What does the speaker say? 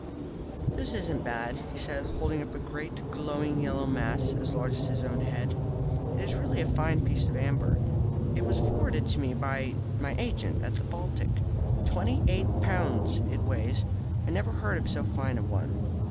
"This isn't bad," he said, holding up a great glowing yellow mass as large as his own head. "It is really a very fine piece of amber. It was forwarded to me by my agent at the Baltic. Twenty eight pounds, it weighs. I never heard of so fine a one.